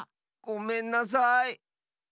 ごめんなさい。